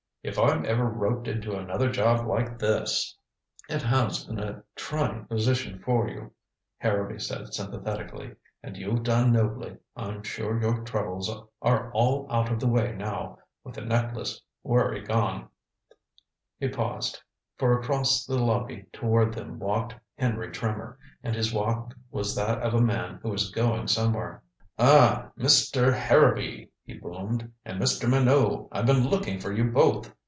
If I'm ever roped into another job like this " "It has been a trying position for you," Harrowby said sympathetically. "And you've done nobly. I'm sure your troubles are all out of the way now. With the necklace worry gone " He paused. For across the lobby toward them walked Henry Trimmer, and his walk was that of a man who is going somewhere. "Ah Mister Harrowby," he boomed, "and Mr. Minot I've been looking for you both.